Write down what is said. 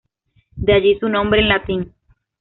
De allí su nombre en latín.